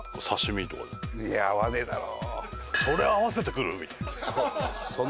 いや合わねえだろ。